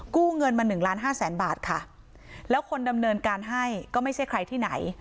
กู้เงินมา๑๕๐๐๐๐๐บาทค่ะแล้วคนดำเนินการให้ก็ไม่ใช่ใครที่ไหน